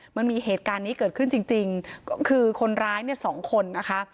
มันมีเหตุการณ์นี้เกิดขึ้นจริงคือคนร้าย๒คน